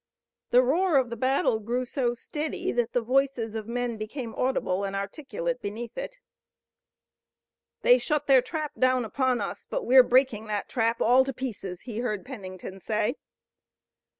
The roar of the battle grew so steady that the voices of men became audible and articulate beneath it. "They shut their trap down upon us, but we're breaking that trap all to pieces," he heard Pennington say.